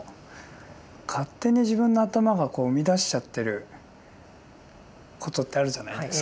勝手に自分の頭が生み出しちゃってることってあるじゃないですか。